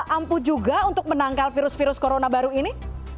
ampuh juga untuk menangkal virus virus corona baru ini